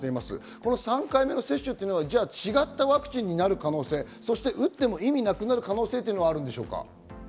この３回目の接種は違ったワクチンになる可能性、あるいは打っても意味がなくなる可能性はあるんでしょうか？